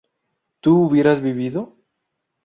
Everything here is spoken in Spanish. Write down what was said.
¿tú hubieras vivido?